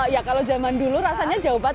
ya kalau zaman dulu rasanya jauh banget